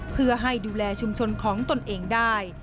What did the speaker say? เพื่อให้ดูแลชุมชนของตนเองได้